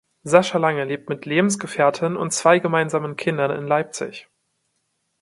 Sascha Lange lebt mit Lebensgefährtin und zwei gemeinsamen Kindern in Leipzig.